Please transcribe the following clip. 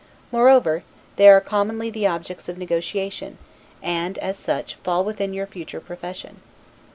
Moreover, they are commonly the objects of negotiation, and, as such, fall within your future profession.